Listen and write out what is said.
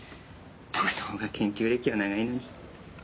僕のほうが研究歴は長いのに。